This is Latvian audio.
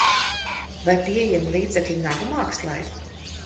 Vai pieejami līdzekļi nagu mākslai?